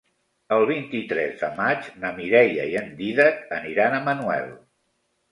El vint-i-tres de maig na Mireia i en Dídac aniran a Manuel.